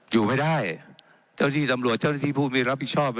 อยู่ไม่ได้เจ้าที่ตำรวจเจ้าหน้าที่ผู้ไม่รับผิดชอบ